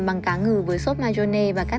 bằng cá ngừ với sốt marjoram và các